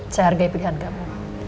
saya hargai pilihan kamu